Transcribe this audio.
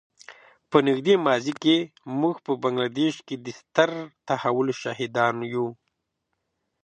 په نږدې ماضي کې موږ په بنګله دېش کې د ستر تحول شاهدان یو.